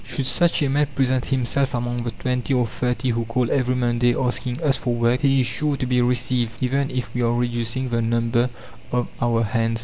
"Should such a man present himself among the twenty or thirty who call every Monday asking us for work, he is sure to be received, even if we are reducing the number of our hands.